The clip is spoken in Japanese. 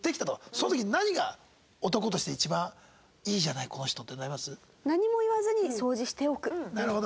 その時何が男として一番「いいじゃないこの人」ってなります？